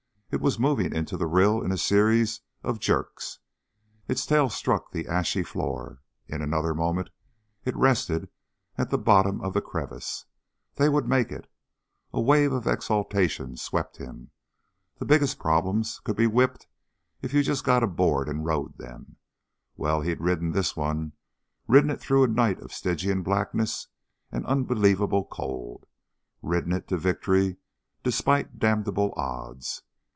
It was moving into the rill in a series of jerks. Its tail struck the ashy floor. In another moment it rested at the bottom of the crevice. They would make it. A wave of exultation swept him. The biggest problems could be whipped if you just got aboard and rode them. Well, he'd ridden this one ridden it through a night of Stygian blackness and unbelievable cold. Ridden it to victory despite damnable odds.